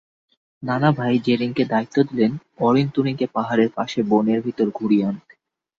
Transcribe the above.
নানাভাই জেরিনকে দায়িত্ব দিলেন, অরিন-তুরিনকে পাহাড়ের পাশে বনের ভেতর ঘুরিয়ে আনতে।